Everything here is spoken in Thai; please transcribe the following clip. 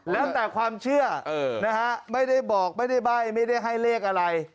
แล้วแต่ความเชื่อนะฮะไม่ได้บอกไม่ได้ใบ้ไม่ได้ให้เลขอะไร